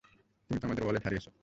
তুমি তো তোমার ওয়ালেট হারিয়েছ।